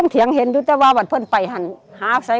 เจ้าข้าเบิ้งไปทั่งด้วย